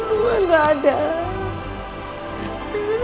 suami saya di luar